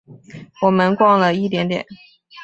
我们逛了一点点